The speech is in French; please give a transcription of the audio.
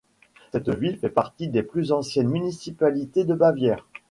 Cette ville fait partie des plus anciennes municipalités de Bavière.